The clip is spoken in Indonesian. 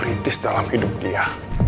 kritis dalam hidup dia